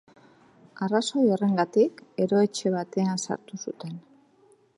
Arrazoi horrengatik, eroetxe batean sartu zuten.